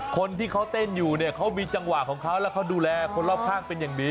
คนที่เขาเต้นอยู่เนี่ยเขามีจังหวะของเขาแล้วเขาดูแลคนรอบข้างเป็นอย่างดี